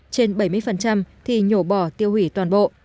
trên bảy mươi thì nhổ bỏ tiêu hủy toàn bộ